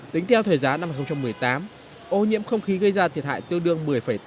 tính theo thời giá năm hai nghìn một mươi tám ô nhiễm không khí gây ra thiệt hại tương đương một mươi tám